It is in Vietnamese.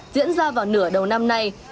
diễn ra vào nửa đầu năm nay